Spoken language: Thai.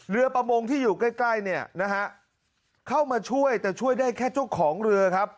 เรือประมงที่อยู่ใกล้ใกล้เนี่ยนะฮะเข้ามาช่วยแต่ช่วยได้แค่เจ้าของเรือครับ